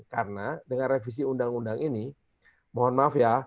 karena dengan revisi ruu ini mohon maaf ya